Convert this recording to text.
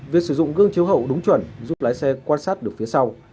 việc sử dụng gương chiếu hậu đúng chuẩn giúp lái xe quan sát được phía sau